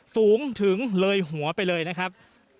สูงถึงเลยหัวไปเลยนะครับ